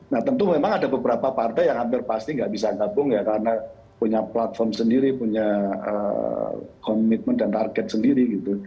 nah tentu memang ada beberapa partai yang hampir pasti nggak bisa gabung ya karena punya platform sendiri punya komitmen dan target sendiri gitu